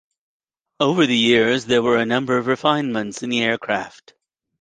Over the years there were a number of refinements in the aircraft.